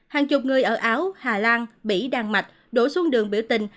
hàng chục người ở áo hà lan bỉ đan mạch đổ xuống đường biểu tình